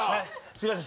すいません。